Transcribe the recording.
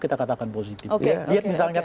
kita katakan positif oke oke lihat misalnya